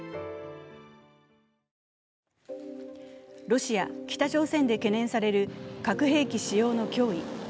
ロシア、北朝鮮で懸念される核兵器使用の脅威。